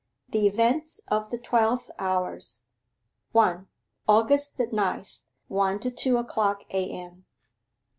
THE EVENTS OF TWELVE HOURS 1. AUGUST THE NINTH. ONE TO TWO O'CLOCK A.M.